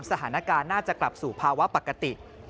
สถานการณ์น่าจะกลับสู่ภาวะปกติ